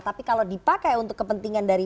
tapi kalau dipakai untuk kepentingan dari